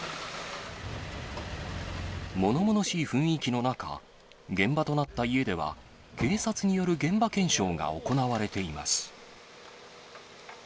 ものものしい雰囲気の中、現場となった家では、警察による現場検証が行われています。